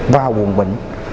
và buồn bệnh